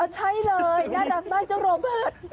ใช่เลยน่ารักมากเจ้าโรเบิร์ต